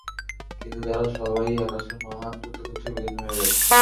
কিন্তু তারা সবাই আকাশের মহান যুদ্ধক্ষেত্রে বিলীন হয়ে গেছে।